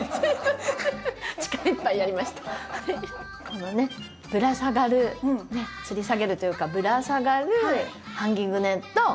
このねぶら下がるつり下げるというかぶら下がるハンギングネット